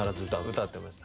歌ってました。